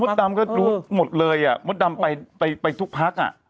โมดดำก็รู้หมดเลยโมดดำไปทุกพัก